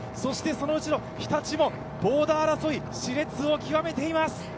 その後ろ、日立もボーダー争い、しれつを極めています。